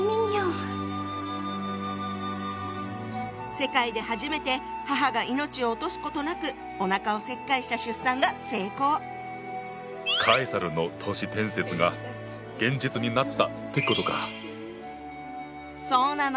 世界で初めて母が命を落とすことなくカエサルの都市伝説が現実になったってことか⁉そうなの。